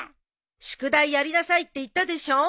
宿題やりなさいって言ったでしょ。